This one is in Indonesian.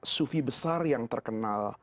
sufi besar yang terkenal